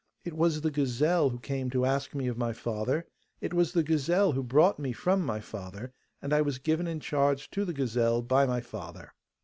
It was the gazelle who came to ask me of my father, it was the gazelle who brought me from my father, and I was given in charge to the gazelle by my father.